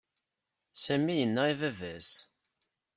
Sami yenna i baba-s.